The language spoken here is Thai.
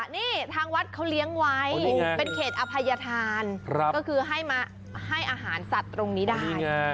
นี่ทางวัดเขาเลี้ยงไว้เป็นเขตอภัยธานก็คือให้มาให้อาหารสัตว์ตรงนี้ได้